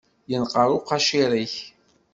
Yenqer uqacir-ik.